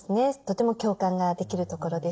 とても共感ができるところです。